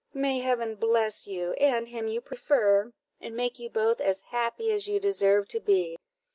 May Heaven bless you, and him you prefer, and make you both as happy as you deserve to be!"